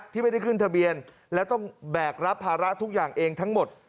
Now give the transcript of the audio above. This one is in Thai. ที่ไม่ได้ขึ้นทะเบียนและต้องแบกรับภาระทุกอย่างเองทั้งหมด